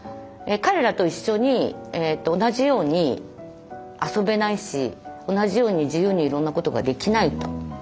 彼らと一緒に同じように遊べないし同じように自由にいろんなことができないと。